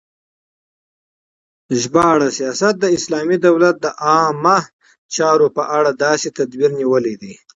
ژباړه : سیاست د اسلامی دولت د عامه چارو په اړه داسی تدبیر نیول دی